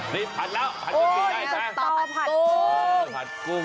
นี่ผัดแล้วผัดกะปิได้นะโอ้ยสตอร์ผัดกุ้งผัดกุ้ง